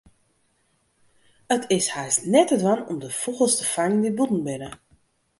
It is hast net te dwaan om de fûgels te fangen dy't bûten binne.